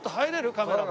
カメラも。